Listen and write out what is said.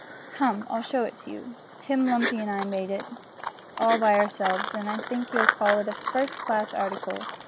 Come, I'll show it to you. Tim Lumpy and I made it all by ourselves, and I think you'll call it a first class article.